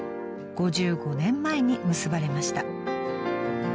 ５５年前に結ばれました］